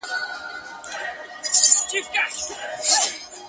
یوه ورخ پاچا وزیر ته ویل خره!.